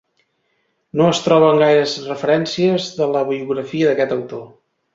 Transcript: No es troben gaires referències de la biografia d'aquest autor.